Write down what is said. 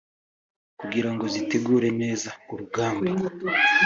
kugirango zitegure neza urugamba